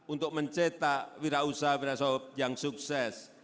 untuk mencetak wirausaha wirausaha yang sukses